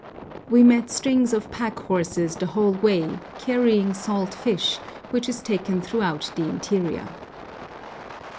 We met strings of pack horses the whole way, carrying salt fish, which is taken throughout the interior.